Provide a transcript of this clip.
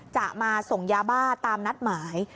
จะมาส่งยาบ้าตามนัดหมาย